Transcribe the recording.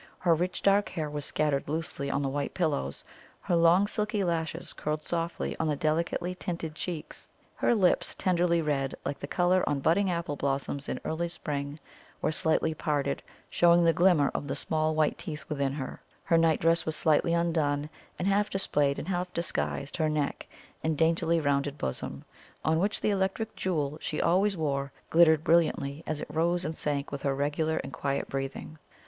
Her rich dark hair was scattered loosely on the white pillows; her long silky lashes curled softly on the delicately tinted cheeks; her lips, tenderly red, like the colour on budding apple blossoms in early spring, were slightly parted, showing the glimmer of the small white teeth within; her night dress was slightly undone, and half displayed and half disguised her neck and daintily rounded bosom, on which the electric jewel she always wore glittered brilliantly as it rose and sank with her regular and quiet breathing.